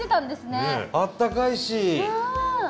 あったかいし。